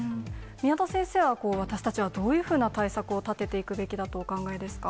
宮田先生は、私たちはどういうふうな対策を立てていくべきだとお考えですか。